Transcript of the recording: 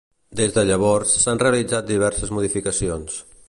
Des de llavors, s'han realitzat diverses modificacions.